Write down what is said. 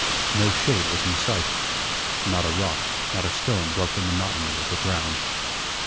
No shade was in sight. Not a rock, not a stone broke the monotony of the ground.